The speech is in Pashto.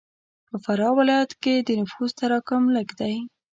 په فراه ولایت کښې د نفوس تراکم لږ دی.